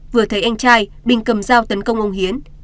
vừa thấy anh trai bình cầm dao tấn công ông hiến